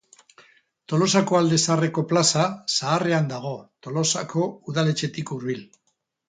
Tolosako Alde Zaharreko Plaza Zaharrean dago, Tolosako udaletxetik hurbil.